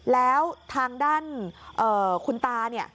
แล้วทางด้านคุณตาเนี่ย